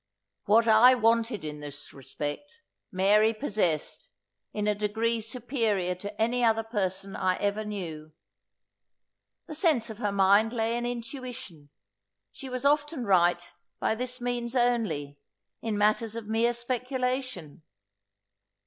What I wanted in this respect, Mary possessed, in a degree superior to any other person I ever knew. The strength of her mind lay in intuition. She was often right, by this means only, in matters of mere speculation.